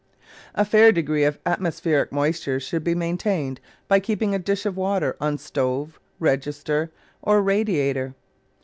A fair degree of atmospheric moisture should be maintained by keeping a dish of water on stove, register, or radiator.